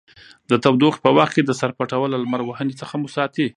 د تودوخې په وخت کې د سر پټول له لمر وهنې څخه مو ساتي.